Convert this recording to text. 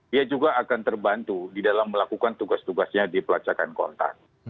dia juga akan terbantu di dalam melakukan tugas tugasnya di pelacakan kontak